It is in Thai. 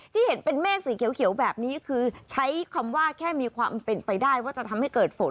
ที่เห็นเป็นเมฆสีเขียวแบบนี้คือใช้คำว่าแค่มีความเป็นไปได้ว่าจะทำให้เกิดฝน